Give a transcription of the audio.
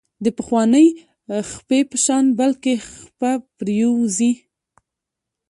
د پخوانۍ خپې په شان بله خپه پرېوځي.